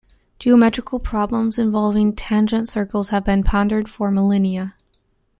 Geometrical problems involving tangent circles have been pondered for millennia.